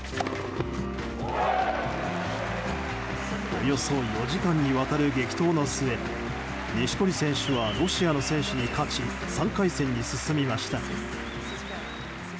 およそ４時間にわたる激闘の末錦織選手はロシアの選手に勝ち３回戦に進みました。